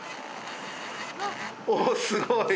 おおすごい！